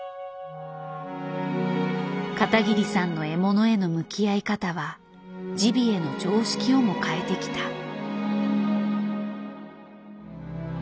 片桐さんの獲物への向き合い方はジビエの常識をも変えてきた。